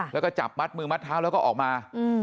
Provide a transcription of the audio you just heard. แล้วก็จับมัดมือมัดเท้าแล้วก็ออกมา